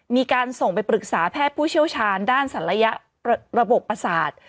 มีการส่งไปปรึกษาแพทย์ผู้เชี่ยวชาญด้านศัลยระบบประสาท